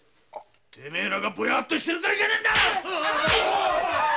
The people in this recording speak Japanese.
てめえらがボヤッとしてるからいけねえんだ